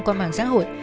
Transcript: qua mạng xã hội